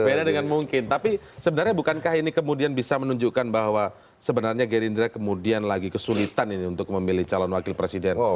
beda dengan mungkin tapi sebenarnya bukankah ini kemudian bisa menunjukkan bahwa sebenarnya gerindra kemudian lagi kesulitan ini untuk memilih calon wakil presiden